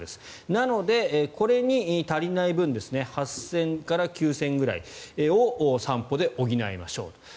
なので、これに足りない分８０００から９０００ぐらいを散歩で補いましょうと。